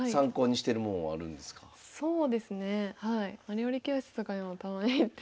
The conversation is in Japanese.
料理教室とかにもたまに行って。